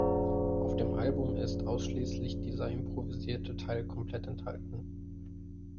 Auf dem Album ist ausschließlich dieser improvisierte Teil komplett enthalten.